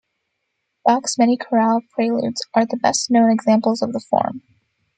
Bach's many chorale preludes are the best-known examples of the form.